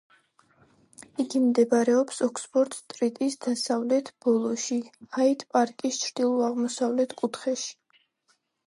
იგი მდებარეობს ოქსფორდ სტრიტის დასავლეთ ბოლოში ჰაიდ პარკის ჩრდილო აღმოსავლეთ კუთხეში.